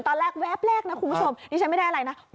แวบแรกนะคุณผู้ชมดิฉันไม่ได้อะไรนะ